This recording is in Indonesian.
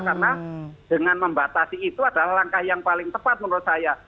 karena dengan membatasi itu adalah langkah yang paling tepat menurut saya